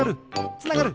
つながる！